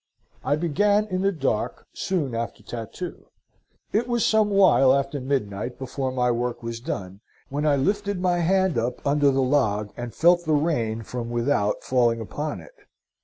I began in the dark, soon after tattoo. It was some while after midnight before my work was done, when I lifted my hand up under the log and felt the rain from without falling upon it.